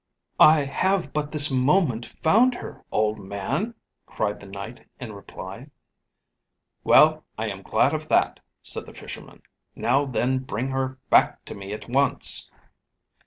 "I have but this moment found her, old man!" cried the Knight in reply. "Well, I am glad of that," said the Fisherman; "now then bring her back to me at once."